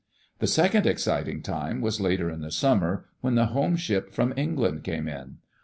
The second exciting time was 'later in the summer, when the home ship from England came in.